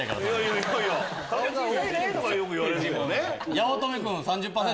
八乙女君３０％？